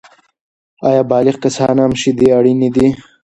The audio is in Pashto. آیا بالغ کسان هم شیدې اړینې دي؟